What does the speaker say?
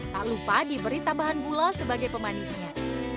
tak lupa diberi tambahan gula sebagai pemanisnya